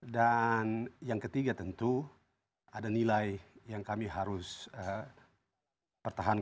dan yang ketiga tentu ada nilai yang kami harus pertahankan